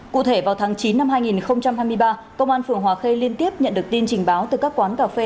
cụ thể vào tháng chín năm hai nghìn hai mươi ba công an phường hòa khê liên tiếp nhận được tin trình báo từ các quán cà phê